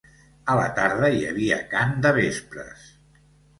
A la tarda hi havia cant de vespres.